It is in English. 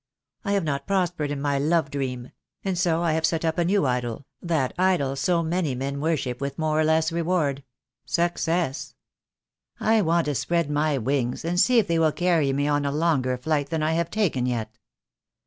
I have not prospered in my love dream; and so I have set up a new idol, that idol so many men worship with more or less reward — Success. I want to spread my wings, and see if they will carry me on a longer flight than I have taken yet."